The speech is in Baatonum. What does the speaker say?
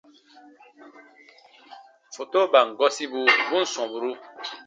Fotoban gɔsibu bu ǹ sɔmburu.